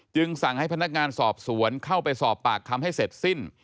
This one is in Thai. สั่งให้พนักงานสอบสวนเข้าไปสอบปากคำให้เสร็จสิ้น